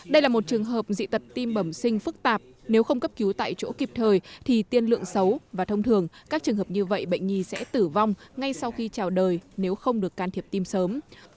đây là một trường hợp dị tật tim bẩm sinh phức tạp nếu không cấp cứu tại chỗ kịp thời thì tiên lượng xấu và thông thường các trường hợp như vậy bệnh nhi sẽ tử vong ngay sau khi trào đời nếu không được can thiệp tim sớm